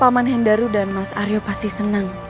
paman hendaru dan mas aryo pasti senang